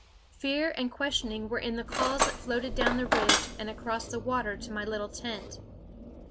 Fear and questioning were in the calls that floated down the ridge and across the water to my little tent.